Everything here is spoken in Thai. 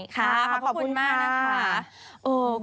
ค่ะขอบคุณมากนะคะ